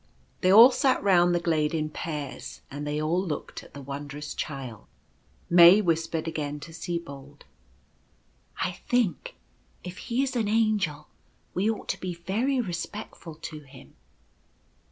They all sat round the glade in pairs, and they all looked at the Wondrous Child. May whispered again to Sibold :" 1 think if he is an Angel we ought to be very respectful to him."